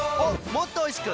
もっとおいしく！